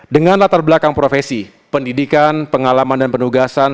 dengan latar belakang profesi pendidikan pengalaman dan penugasan